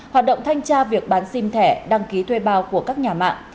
hoạt động thanh tra việc bán sim thẻ đăng ký thuê bao của các nhà mạng